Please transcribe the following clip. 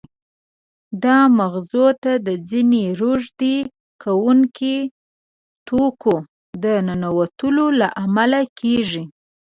دا مغزو ته د ځینې روږدې کوونکو توکو د ننوتلو له امله کېږي.